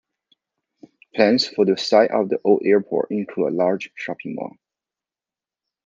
Plans for the site of the old airport include a large shopping mall.